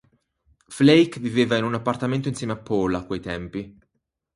Flake viveva in un appartamento insieme a Paul a quei tempi.